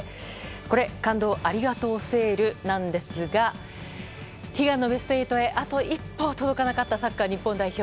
これ、感動をありがとうセールなんですが悲願のベスト８にあと一歩届かなかったサッカー日本代表。